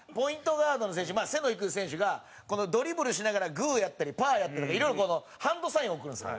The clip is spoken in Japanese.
ガードの選手背の低い選手がドリブルしながらグーやったり、パーやったりいろいろハンドサインを送るんですよ。